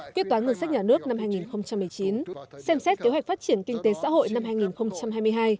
quyết toán ngân sách nhà nước năm hai nghìn một mươi chín xem xét kế hoạch phát triển kinh tế xã hội năm hai nghìn hai mươi hai